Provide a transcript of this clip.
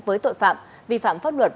với tội phạm vi phạm pháp luật